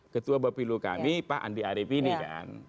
ketua bapilu kami pak andi arief ini kan